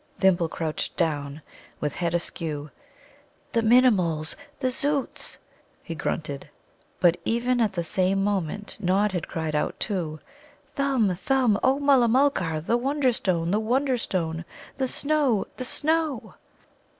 Thimble crouched down, with head askew. "The Minimuls, the Zōōts!" he grunted. But even at the same moment Nod had cried out too. "Thumb, Thumb, O Mulla mulgar, the Wonderstone! the Wonderstone! the snow, the snow!"